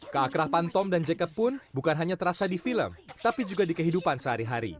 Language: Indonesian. keakrapan tom dan jacob pun bukan hanya terasa di film tapi juga di kehidupan sehari hari